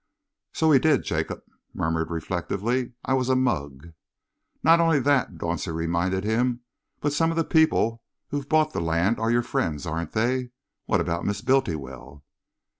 "So he did," Jacob murmured reflectively. "I was a mug." "Not only that," Dauncey reminded him, "but some of the people who've bought the land are your friends, aren't they? What about Miss Bultiwell?"